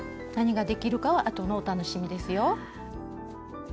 何ができるかは後のお楽しみですよ。